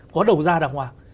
có đầu ra đàng hoàng